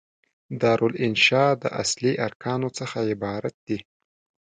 دارالانشأ د اصلي ارکانو څخه عبارت دي.